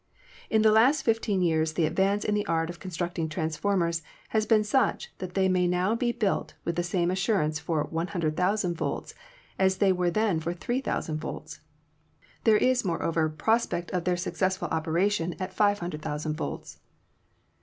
In the last fifteen years the advance in the art of constructing transformers has been such that they may now be built with the same assurance for 100,000 volts as they were then for 3,000 volts. There is, moreover, prospect of their successful operation at 500,000 volts.